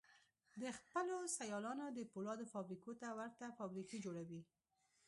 د خپلو سيالانو د پولادو فابريکو ته ورته فابريکې جوړوي.